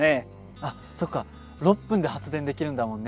あっそうか６分で発電できるんだもんね。